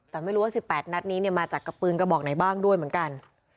แต่ไม่รู้ว่า๑๘นัดนี้มาจากกระปืนกระบอกไหนบ้างด้วยเหมือนกัน